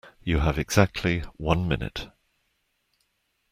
You have exactly one minute.